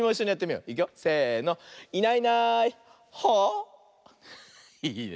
いいね。